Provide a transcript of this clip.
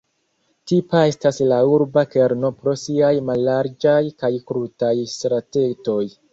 Tipa estas la urba kerno pro siaj mallarĝaj kaj krutaj stratetoj.